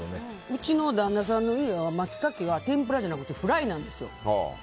うちの旦那さんの家はマツタケは天ぷらじゃなくてフライなんですよ。